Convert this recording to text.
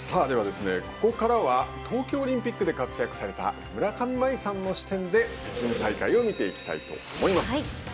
では、ここからは東京オリンピックで活躍された村上茉愛さんの視点で北京大会を見ていきたいと思います。